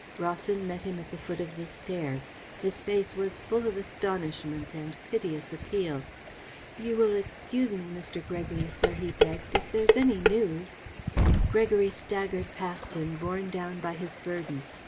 Rawson met him at the foot of the stairs. His face was full of astonishment and piteous appeal. "You will excuse me, Mr. Gregory, sir," he begged. "If there's any news " Gregory staggered past him, borne down by his burden.